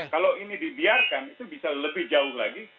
kalau ini dibiarkan itu bisa lebih jauh lagi